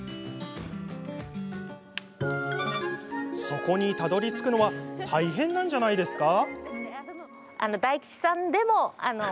そこにたどりつくのは大変なんじゃないですか？